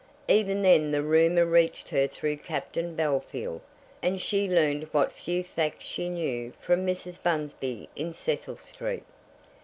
Even then the rumour reached her through Captain Bellfield, and she learned what few facts she knew from Mrs. Bunsby in Cecil Street.